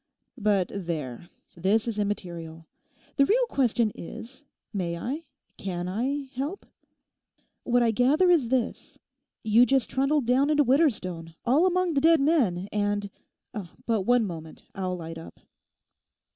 But there, this is immaterial. The real question is, may I, can I help? What I gather is this: You just trundled down into Widderstone all among the dead men, and—but one moment, I'll light up.